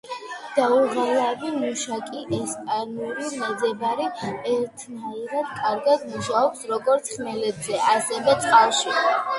დაუღალავი მუშაკი, ესპანური მეძებარი ერთნაირად კარგად მუშაობს როგორც ხმელეთზე, ასევე წყალში.